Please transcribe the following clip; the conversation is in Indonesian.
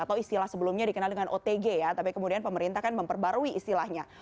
atau istilah sebelumnya dikenal dengan otg ya tapi kemudian pemerintah kan memperbarui istilahnya